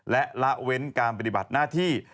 และละเว้นการปฏิบัติหน้าที่